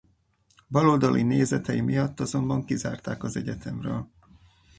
Baloldali nézetei miatt azonban kizárták az egyetemről.